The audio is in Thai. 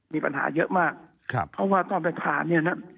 มีปัญหาเยอะมากครับเพราะว่าต้อนตรฐานเนี่ยนะ